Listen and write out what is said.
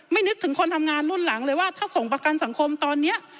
นึกถึงคนทำงานรุ่นหลังเลยว่าถ้าส่งประกันสังคมตอนนี้